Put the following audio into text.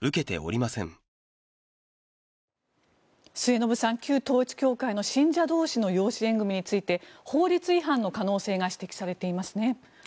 末延さん旧統一教会の信者同士の養子縁組について法律違反の可能性が指摘されていますね。